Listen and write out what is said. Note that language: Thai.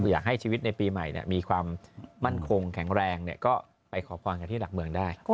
อยากให้ชีวิตในปีใหม่มีความมั่นคงแข็งแรงก็ไปขอพรกันที่หลักเมืองได้